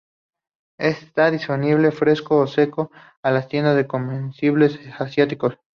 Está disponible fresco o seco en las tiendas de comestibles asiáticos.